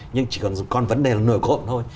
nhưng chỉ còn vấn đề là nổi cộn thôi